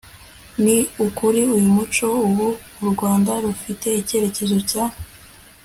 ni ukuri uyu muco ubu u rwanda rufite icyerecyezo cya